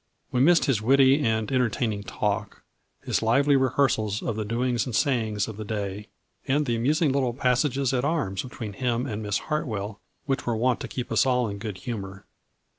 We missed his witty and enter taining talk, his lively rehearsals of the doings and sayings of the day, and the amusing little passages at arms between him and Miss Hart well, which were wont to keep us all in such good humor.